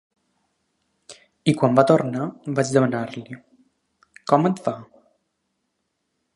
I quan va tornar vaig demanar-li: ‘Com et va?’